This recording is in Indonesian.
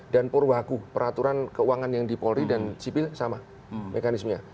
dan purwaku peraturan keuangan yang di polri dan sipil sama mekanismenya